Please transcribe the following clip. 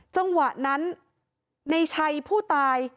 จังหวะนั้นในชัยผู้ตาย